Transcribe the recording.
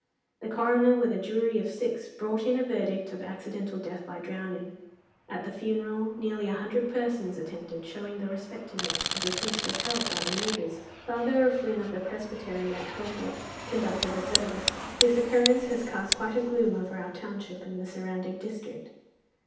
The coroner, with a jury of six, brought in a verdict of 'Accidental death by drowning.' At the funeral, nearly a hundred persons attended, showing the respect in which the deceased was held by the neighbours. Father O'Flynn of the Presbytery at Hovell conducted the service. This occurrence has cast quite a gloom over our township and the surrounding district."